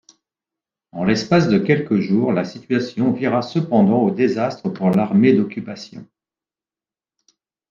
En l'espace de quelques jours, la situation vira cependant au désastre pour l'armée d'occupation.